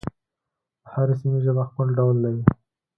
د هرې سیمې ژبه خپل ډول لري.